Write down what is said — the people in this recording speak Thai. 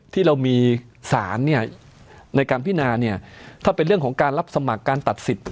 ที่เรามีสารในการพินาเนี่ยถ้าเป็นเรื่องของการรับสมัครการตัดสิทธิ์